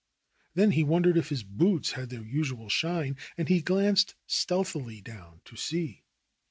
Then he won dered if his boots had their usual shine, and he glanced stealthily down to see.